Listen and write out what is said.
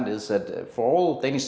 adalah untuk semua warga denmark